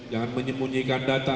jangan menyembunyikan data